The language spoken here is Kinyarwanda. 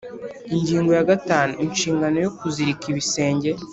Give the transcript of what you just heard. Ingingo ya gatanu Inshingano yo kuzirika ibisenge